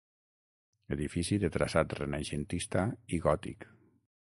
Edifici de traçat renaixentista i gòtic.